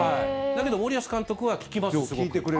だけど森保監督は聞きます。